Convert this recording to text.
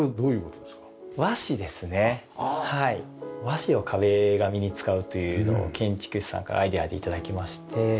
和紙を壁紙に使うというのを建築士さんからアイデアで頂きまして。